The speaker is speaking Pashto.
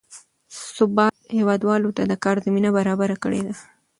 ثبات هېوادوالو ته د کار زمینه برابره کړې ده.